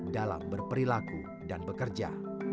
dalam berperilaku dan bekerja